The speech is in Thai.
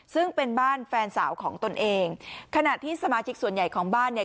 ซึ่งเป็นบ้านแฟนสาวของตนเองขณะที่สมาชิกส่วนใหญ่ของบ้านเนี่ย